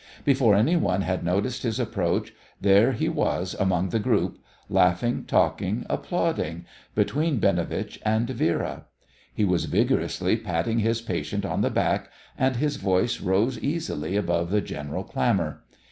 Before any one had noticed his approach, there he was among the group, laughing, talking, applauding between Binovitch and Vera. He was vigorously patting his patient on the back, and his voice rose easily above the general clamour.